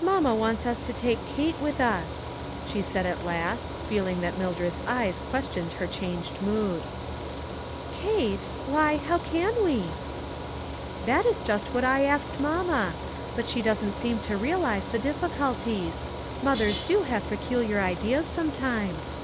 "Mamma wants us to take Kate with us," she said at last, feeling that Mildred's eyes questioned her changed mood. " Kate ! why, how can we ?"" That is just what I asked mamma ; but she doesn't seem to realize the difficulties. 3TEP BY STEP. 55 Mothers do have peculiar ideas sometimes."